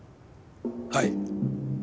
はい。